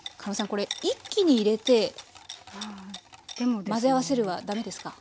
これ一気に入れて混ぜ合わせるはダメですか？